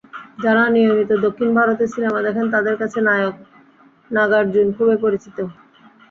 যাঁরা নিয়মিত দক্ষিণ ভারতের সিনেমা দেখেন, তাঁদের কাছে নায়ক নাগার্জুন খুবই পরিচিত।